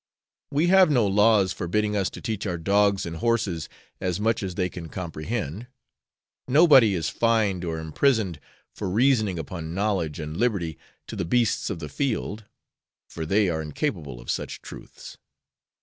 We have no laws forbidding us to teach our dogs and horses as much as they can comprehend; nobody is fined or imprisoned for reasoning upon knowledge, and liberty, to the beasts of the field, for they are incapable of such truths.